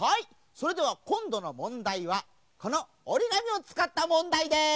それではこんどのもんだいはこのおりがみをつかったもんだいです！